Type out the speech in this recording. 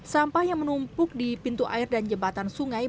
sampah yang menumpuk di pintu air dan jembatan sungai